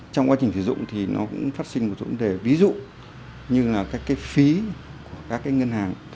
trong quá trình sử dụng thì nó cũng phát sinh một vấn đề ví dụ như là cái phí của các ngân hàng